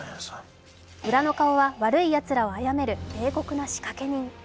裏の顔は悪いやつらをあやめる冷酷な仕掛け人。